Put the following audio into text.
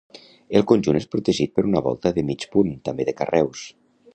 El conjunt és protegit per una volta de mig punt, també de carreus.